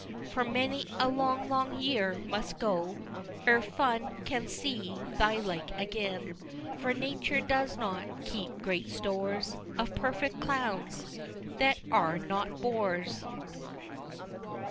For many a long, long year must go Ere Fun can see thy like again For Nature does not keep great stores Of perfect Clowns that are not Boors!